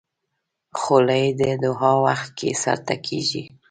خولۍ د دعا وخت کې سر ته کېږي.